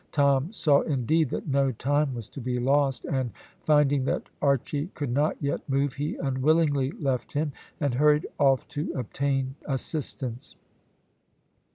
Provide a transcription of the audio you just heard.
Tom saw, indeed, that no time was to be lost, and, finding that Archy could not yet move, he unwillingly left him, and hurried off to obtain assistance.